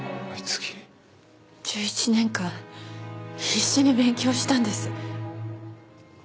１１年間必死に勉強したんです。